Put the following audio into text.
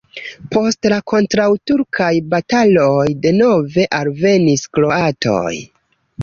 Post la kontraŭturkaj bataloj denove alvenis kroatoj.